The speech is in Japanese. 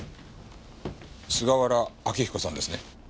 菅原昭彦さんですね？